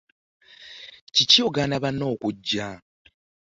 Kiki ekyagaana banno okujja?